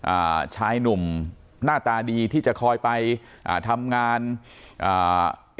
อ่าชายหนุ่มหน้าตาดีที่จะคอยไปอ่าทำงานอ่า